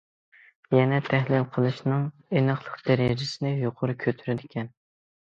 يەنە تەھلىل قىلىشنىڭ ئېنىقلىق دەرىجىسىنى يۇقىرى كۆتۈرىدىكەن.